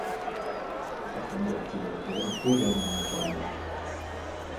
Certaines directives européennes ont également été abrogées.